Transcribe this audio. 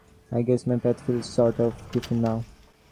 I guess my path feels sort of different now.